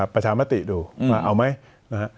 ประชามติดูเอาไหม